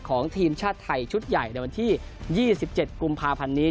ของทีมชาติไทยชุดใหญ่ในวันที่๒๗กุมภาพันธ์นี้